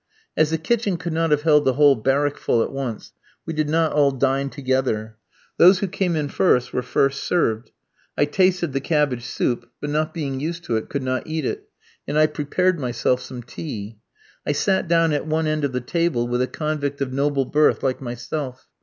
As the kitchen could not have held the whole barrack full at once, we did not all dine together. Those who came in first were first served. I tasted the cabbage soup, but, not being used to it, could not eat it, and I prepared myself some tea. I sat down at one end of the table, with a convict of noble birth like myself.